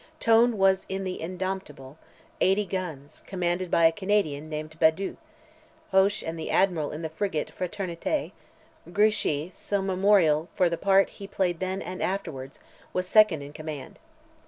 Tone was in the Indomptable, 80 guns, commanded by a Canadian, named Bedout; Hoche and the Admiral in the frigate Fraternité; Grouchy, so memorable for the part he played then and afterwards, was second in command.